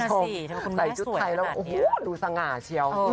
ใส่ชุดไทยแล้วโอ้โหดูสง่าเชียว